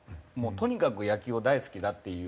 とにかく野球を大好きだっていう。